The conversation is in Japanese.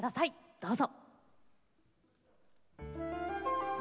どうぞ。